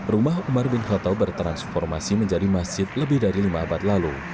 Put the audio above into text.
rumah umar bin khattab bertransformasi menjadi masjid lebih dari lima abad lalu